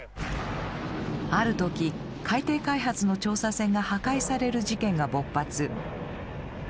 ある時海底開発の調査船が破壊される事件が勃発。